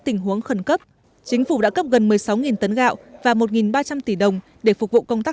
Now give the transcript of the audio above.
tình huống khẩn cấp chính phủ đã cấp gần một mươi sáu tấn gạo và một ba trăm linh tỷ đồng để phục vụ công tác